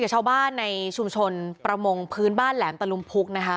ชาวบ้านในชุมชนประมงพื้นบ้านแหลมตะลุมพุกนะคะ